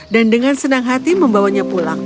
dan dengan senang hati membawanya pulang